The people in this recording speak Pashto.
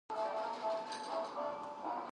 ترنګ په سیند کې په مستۍ بهېږي.